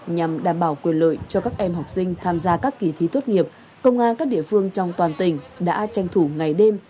nhằm đảm bảo quyền lợi cho các em học sinh tham gia các kỳ thi tốt nghiệp công an các địa phương trong toàn tỉnh đã tranh thủ ngày đêm